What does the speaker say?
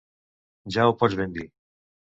Ja ho pots ben dir.